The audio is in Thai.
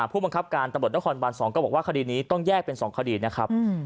ผู้บังคับการตำรวจนครบาน๒ก็บอกว่าคดีนี้ต้องแยกเป็น๒คดีนะครับ